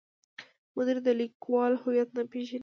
مدیر د لیکوال هویت نه پیژني.